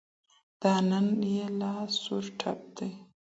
دا نن يې لا سور ټپ دی